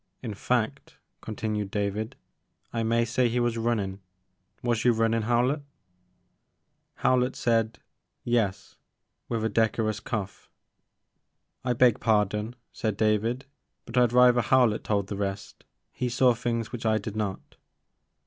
In fact," continued David, I may say he was runnin'. Was you rtmnin', Howlett?" Howlett said Yes," with a decorous cough. " I beg pardon," said David, but I 'd rather Howlett told the rest. He saw things which I did not."